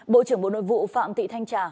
bộ trưởng bộ nội vụ phạm thị thanh trà